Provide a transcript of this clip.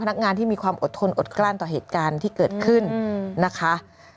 นักงานที่มีความอดทนอดกลั้นต่อเหตุการณ์ที่เกิดขึ้นนะคะ